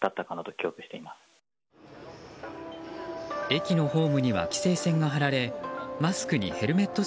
駅のホームには規制線が張られマスクにヘルメット